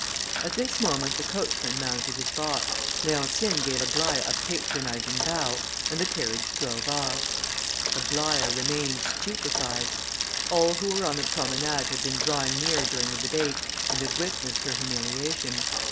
At this moment the coachman mounted his box; Leontine gave Aglaïa a patronising bow, and the carriage drove off. Aglaïa remained stupified. All who were on the promenade had been drawing near during the debate, and had witnessed her humiliation.